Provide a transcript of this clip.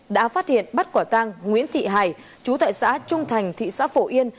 đã phát hiện bắt quả tang nguyễn thị hải chú tại xã trung thành thị xã phổ yên